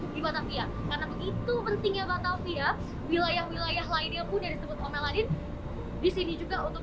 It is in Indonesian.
di batavia karena begitu pentingnya batavia wilayah wilayah lainnya pun disini juga untuk